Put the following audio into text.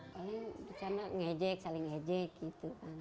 paling tersana ngejek saling ngejek gitu kan